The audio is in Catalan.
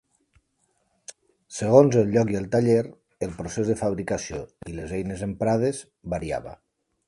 Segons el lloc i el taller, el procés de fabricació i les eines emprades variava.